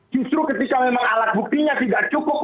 justru ketika memang alat buktinya tidak cukup